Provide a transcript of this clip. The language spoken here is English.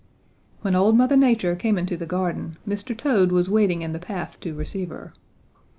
"When old Mother Nature came into the garden, Mr. Toad was waiting in the path to receive her.